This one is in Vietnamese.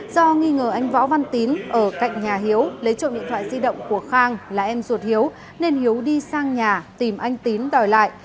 do nghi ngờ anh võ văn tín ở cạnh nhà hiếu lấy trộm điện thoại di động của khang là em ruột hiếu nên hiếu đi sang nhà tìm anh tín đòi lại